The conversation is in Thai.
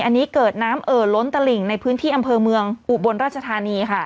อันนี้เกิดน้ำเอ่อล้นตลิ่งในพื้นที่อำเภอเมืองอุบลราชธานีค่ะ